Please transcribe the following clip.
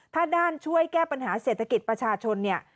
ถ้าด้านช่วยแก้ปัญหาเศรษฐกิจประชาชนเนี่ย